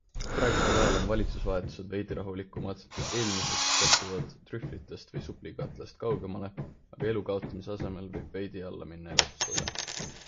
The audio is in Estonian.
Praegusel ajal on valitsusevahetused veidi rahulikumad, eelmised satuvad trühvlitest või supikatlast kaugemale, aga elu kaotamise asemel võib veidi alla minna elatustase.